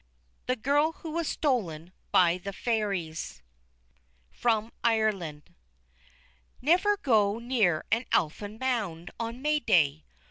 THE GIRL WHO WAS STOLEN BY THE FAIRIES From Ireland Never go near an Elfin Mound on May Day.